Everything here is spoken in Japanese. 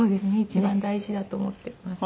一番大事だと思っています。